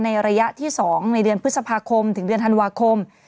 ระยะที่๒ในเดือนพฤษภาคมถึงเดือนธันวาคม